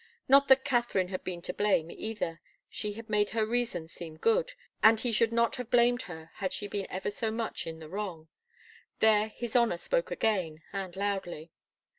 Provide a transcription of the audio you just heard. Not that Katharine had been to blame, either. She had made her reasons seem good, and he should not have blamed her had she been ever so much in the wrong. There his honour spoke again, and loudly.